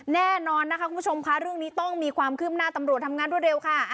แน่นอนนะคะคุณผู้ชมค่ะเรื่องนี้ต้องมีความคืบหน้าตำรวจทำงานรวดเร็วค่ะ